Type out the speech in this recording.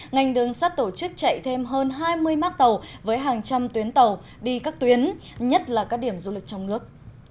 ngành đường sắt tổ chức chạy thêm hơn hai mươi mác tàu với hàng trăm tuyến tàu đi các tuyến nhất là các điểm du lịch trong nước